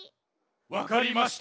わかりました。